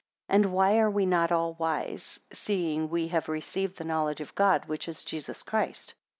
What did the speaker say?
6 And why are we not all wise, seeing we have received the knowledge of God, which is Jesus Christ?